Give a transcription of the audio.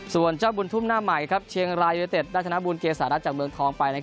ส่วนเจ้าบุญทุ่มหน้าใหม่เชียงรายยูนิเต็ดได้ธนบุญเกษารัฐจากเมืองทองไป